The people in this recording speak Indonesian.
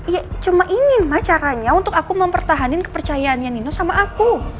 ya cuma ingin ma caranya untuk aku mempertahankan kepercayaan nino sama aku